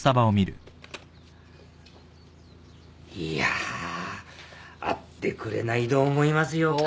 いや会っでくれないど思いますよ。